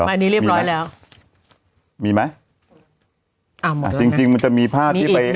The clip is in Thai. อันนี้เรียบร้อยแล้วมีไหมเอามาจริงจริงมันจะมีภาพที่ไป